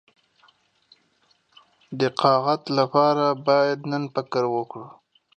د تقاعد لپاره باید نن فکر وکړو.